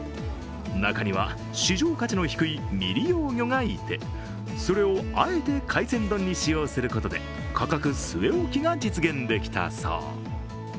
中には市場価値の低い未利用魚がいて、それをあえて海鮮丼に使用することで価格据え置きが実現できたそう。